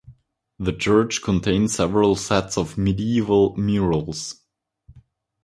The church contains several sets of medieval murals.